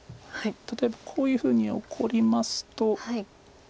例えばこういうふうに怒りますと。